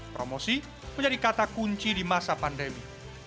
promosi menjadi kata kunci di masa pandemi